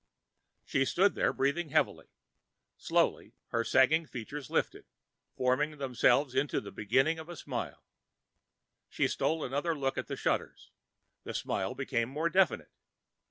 _ She stood there breathing heavily. Slowly her sagged features lifted, formed themselves into the beginning of a smile. She stole another look at the shutters. The smile became more definite.